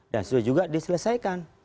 dan sudah juga diselesaikan